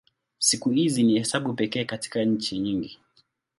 Siku hizi ni hesabu pekee katika nchi nyingi.